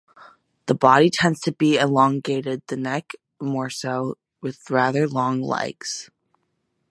The body tends to be elongated, the neck more so, with rather long legs.